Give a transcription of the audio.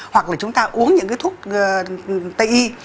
hoặc là chúng ta uống những cái thuốc tây y